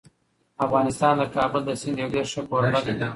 افغانستان د کابل د سیند یو ډېر ښه کوربه دی.